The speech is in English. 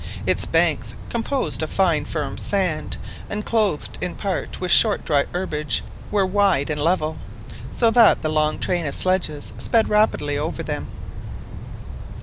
Its banks, composed of fine firm sand, and clothed in part with short dry herbage, were wide and level, so that the long train of sledges sped rapidly over them.